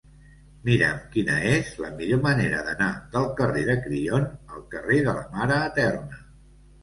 Mira'm quina és la millor manera d'anar del carrer de Crillon al carrer de la Mare Eterna.